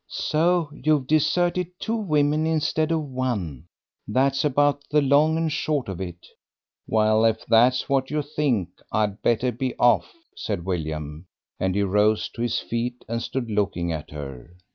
"So you've deserted two women instead of one, that's about the long and short of it." "Well, if that's what you think I'd better be off," said William, and he rose to his feet and stood looking at her.